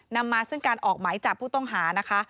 นำมาซึ่งการออกหมายจับผู้ต้องหานะคะ